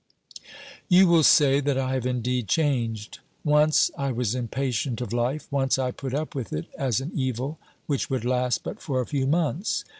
You will say that I have indeed changed. Once I was impatient of life ; once I put up with it as an evil which would last but for a few months.